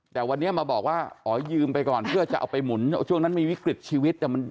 แต่วันนี้มาบอกว่าอ๋อยืมไปก่อนเพื่อจะเอาไปหมุนช่วงนั้นมีวิกฤตชีวิต